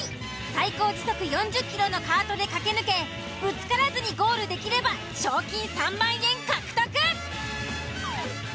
最高時速４０キロのカートで駆け抜けぶつからずにゴールできれば賞金３万円獲得！